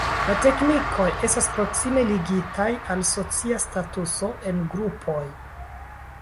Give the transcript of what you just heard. La teknikoj estas proksime ligitaj al socia statuso en grupoj.